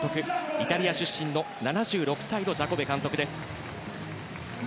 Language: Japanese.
イタリア出身の７６歳のジャコベ監督です。